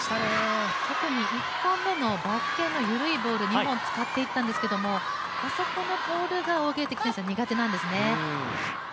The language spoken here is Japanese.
特にバック系の緩いぼーる、２本使っていったんですけど、あそこのボールが王ゲイ迪選手、苦手なんですね。